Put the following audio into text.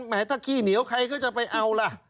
แม้ถ้าขี้เหนียวใครก็จะไปเอาล่ะ